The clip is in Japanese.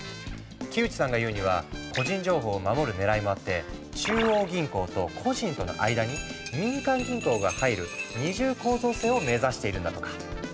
木内さんが言うには個人情報を守る狙いもあって中央銀行と個人との間に民間銀行が入る二重構造性を目指しているんだとか。